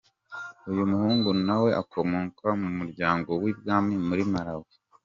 Uyu muhungu nawe akomoka mu muryango w’ibwami muri Malawi.